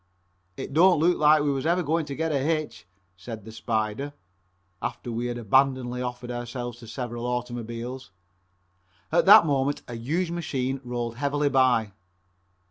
"It don't look like we was ever going to get a hitch," said the "Spider," after we had abandonedly offered ourselves to several automobiles. At that moment a huge machine rolled heavily by.